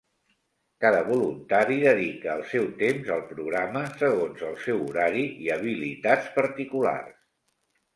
Cada voluntari dedica el seu temps al programa segons el seu horari i habilitats particulars.